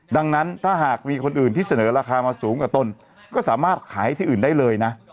ดังนั้นถ้าหากมีคนอื่นที่เสนอราคามาสูงกว่าตนก็สามารถขายที่อื่นได้เลยนะ